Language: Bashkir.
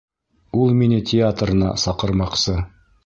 Ул мине театрына саҡырмаҡсы.